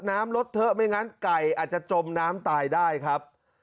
น้ำลดเถอะไม่งั้นไก่อาจจะจมน้ำตายได้ครับ